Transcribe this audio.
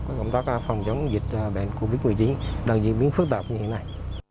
cộng tác phòng chống dịch bệnh covid một mươi chín đoạn diễn biến phức tạp như thế này